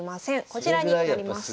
こちらになります。